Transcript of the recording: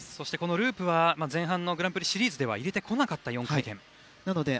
ループは前半のグランプリシリーズでは入れてこなかった４回転です。